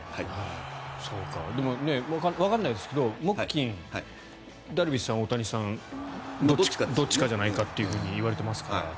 でもわからないですけど木、金ダルビッシュさん、大谷さんどっちかじゃないかって言われてますから。